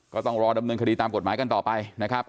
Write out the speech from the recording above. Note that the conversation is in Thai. ก็ต้องรอดำเนินคดีตามกฎหมายกันต่อไปนะครับ